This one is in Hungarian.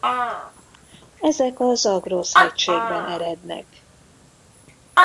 Ezek a Zagrosz-hegységben erednek.